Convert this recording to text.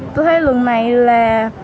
tôi thấy lần này là